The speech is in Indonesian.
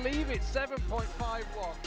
dia tidak bisa percaya